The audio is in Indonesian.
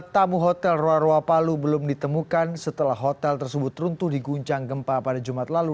empat tamu hotel roa roa palu belum ditemukan setelah hotel tersebut runtuh di guncang gempa pada jumat lalu